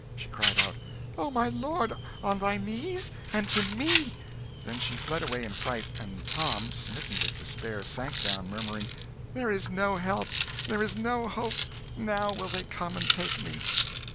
She cried out "O my lord, on thy knees? and to me!" Then she fled away in fright; and Tom, smitten with despair, sank down, murmuring "There is no help, there is no hope. Now will they come and take me."